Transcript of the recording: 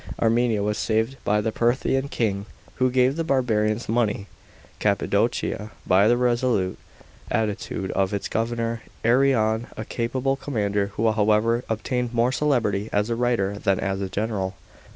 Armenia was saved by the Parthian king, who gave the barbarians money ; Cappadocia, by the resolute attitude of its governor, Arrian, a capable commander, who, however, obtained more celebrity as a writer than as a general.